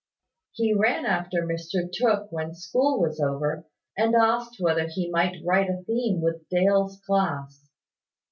He ran after Mr Tooke when school was over, and asked whether he might write a theme with Dale's class.